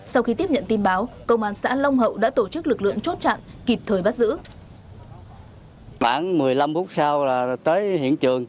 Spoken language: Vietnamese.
sau khi tiếp nhận tin báo công an xã long hậu đã tổ chức lực lượng chốt chặn kịp thời bắt giữ